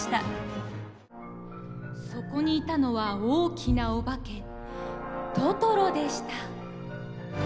そこにいたのは大きなオバケトトロでした。